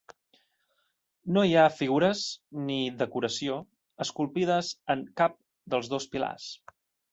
No hi ha figures ni decoració esculpides en cap dels dos pilars.